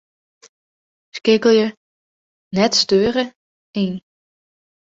Skeakelje 'net steure' yn.